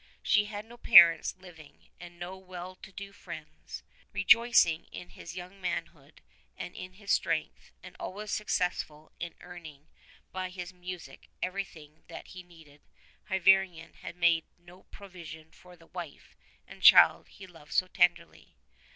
She had no parents living and no well to do friends. Rejoicing in his young manhood and in his strength, and always successful in earning by his music everything that he needed, Hyvarnion had made no pro vision for the wife and child he loved so tenderly.